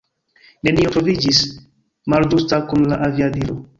Nenio troviĝis malĝusta kun la aviadilo.